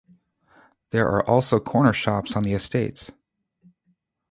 There are also corner shops on the estates.